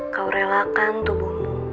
kau relakan tubuhmu